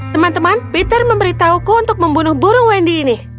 teman teman peter memberitahuku untuk membunuh burung wendy ini